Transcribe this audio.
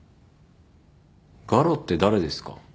ガロって誰ですか？